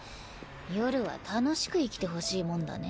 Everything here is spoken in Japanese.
夜は楽しく生きてほしいもんだね。